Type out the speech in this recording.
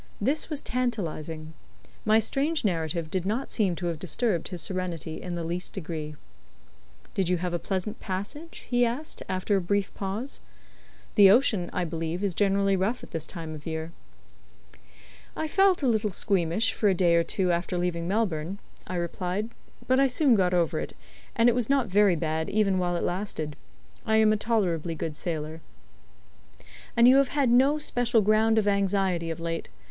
This was tantalizing. My strange narrative did not seem to have disturbed his serenity in the least degree. "Did you have a pleasant passage?" he asked, after a brief pause. "The ocean, I believe, is generally rough at this time of year." "I felt a little squeamish for a day or two after leaving Melbourne," I replied, "but I soon got over it, and it was not very bad even while it lasted. I am a tolerably good sailor." "And you have had no special ground of anxiety of late?